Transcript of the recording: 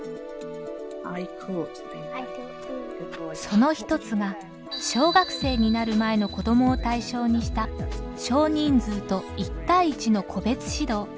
その一つが小学生になる前の子どもを対象にした少人数と一対一の個別指導。